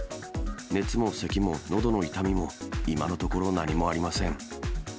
熱もせきものどの痛みも、今のところ何もありません。